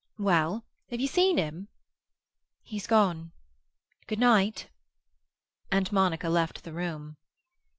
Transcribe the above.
Well, have you seen him?" "He's gone. Good night." And Monica left the room.